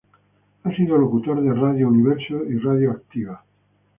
Ha sido locutor de Radio Universo y Radio Activa.